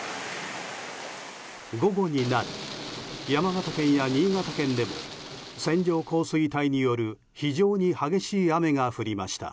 午後になり、山形県や新潟県でも線状降水帯による非常に激しい雨が降りました。